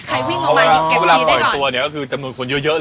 ใครวิ่งลงมาเก็บชีสได้หรอ